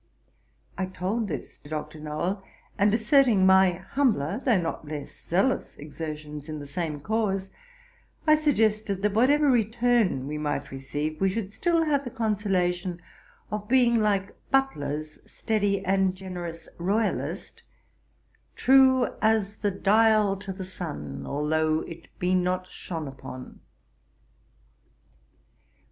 I told this to Dr. Nowell, and asserting my humbler, though not less zealous exertions in the same cause, I suggested that whatever return we might receive, we should still have the consolation of being like Butler's steady and generous Royalist, 'True as the dial to the sun, Although it be not shone upon.'